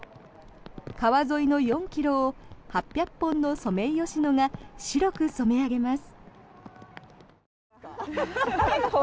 川沿いの４ｋｍを８００本のソメイヨシノが白く染め上げます。